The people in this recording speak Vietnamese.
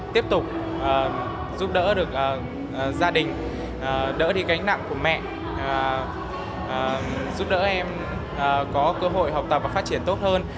tiếp tục giúp đỡ được gia đình đỡ đi cánh nặng của mẹ giúp đỡ em có cơ hội học tập và phát triển tốt hơn